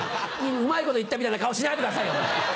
うまいこと言ったみたいな顔しないでくださいよ！